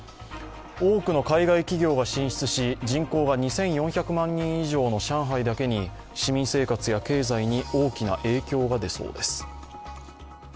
多くの海外企業が進出し人口が２４００万以上の上海だけに市民生活や経済に大きな影響が出そうです。